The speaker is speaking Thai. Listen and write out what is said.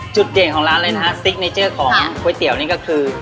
จุดเด่นของร้านเลยนะฮะซิกเนเจอร์ของก๋วยเตี๋ยวนี่ก็คือ